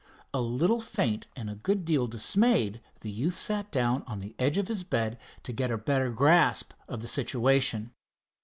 A little faint and a good deal dismayed, the youth sat down on the edge of his bed to get a better grasp of the situation.